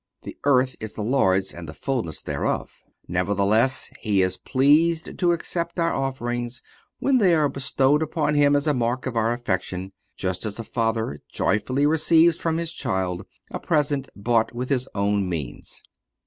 "The earth is the Lord's and the fulness thereof." Nevertheless, He is pleased to accept our offerings when they are bestowed upon Him as a mark of our affection, just as a father joyfully receives from his child a present bought with his own means.